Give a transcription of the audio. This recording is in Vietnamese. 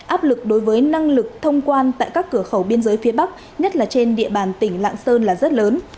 áp lực đối với năng lực thông quan tại các cửa khẩu biên giới phía bắc nhất là trên địa bàn tỉnh lạng sơn là rất lớn